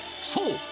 そう！